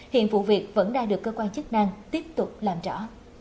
hiện vụ việc vẫn đang được cơ quan chức năng tiếp tục làm rõ